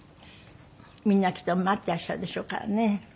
みんなきっと待ってらっしゃるでしょうからね。